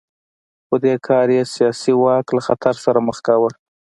خو دې کار یې سیاسي واک له خطر سره مخ کاوه